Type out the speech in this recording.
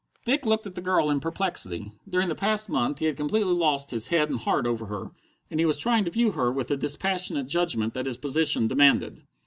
Dick looked at the girl in perplexity. During the past month he had completely lost his head and heart over her, and he was trying to view her with the dispassionate judgment that his position demanded.